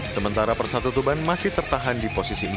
sementara persatu tuban masih tertahan di posisi empat